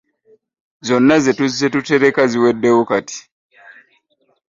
Zonna ze tuzze tutereka ziweddewo kati.